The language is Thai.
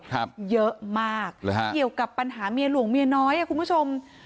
ครับเยอะมากเลยฮะเกี่ยวกับปัญหาเมียหลวงเมียน้อยอ่ะคุณผู้ชม